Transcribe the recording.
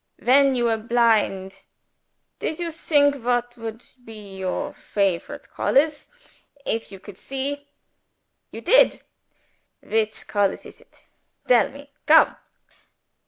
When you were blind, did you think what would be your favorite colors if you could see? You did? Which colors is it? Tell me. Come!"